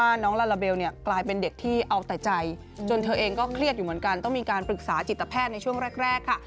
น้องลาลาเบลเนี่ยกลายเป็นเด็กที่เอาแต่ใจจนเธอเองก็เครียดอยู่เหมือนกันต้องมีการปรึกษาจิตแพทย์ในช่วงแรกค่ะ